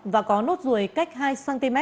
và có nốt ruồi cách hai cm